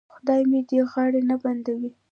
خدای مې دې غاړه نه بندوي.